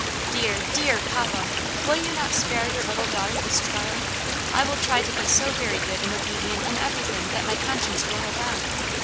Dear, dear papa, will you not spare your little daughter this trial? I will try to be so very good and obedient in everything that my conscience will allow.